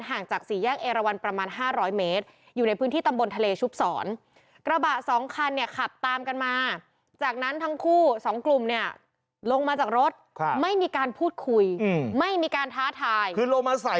ห่างจากศรีแยกเอรวรประมาณห้าร้อยเมตร